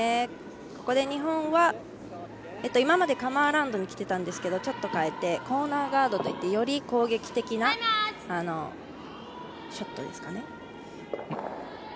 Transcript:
ここで日本はここまでカム・アラウンドにきていたんですけどちょっと変えてコーナーガードといってより攻撃的なショットですかね。